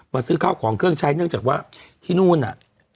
ซื้อข้าวของเครื่องใช้เนื่องจากว่าที่นู่นน่ะ